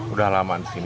udah lama disini